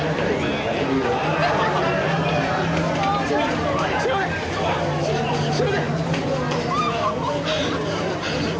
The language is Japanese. すいません！